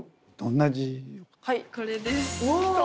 はいこれです。